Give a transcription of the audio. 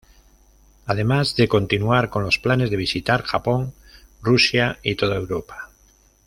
Además de continuar con los planes de visitar, Japón, Rusia y toda Europa.